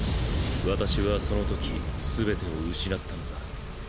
私はそのときすべてを失ったのだ。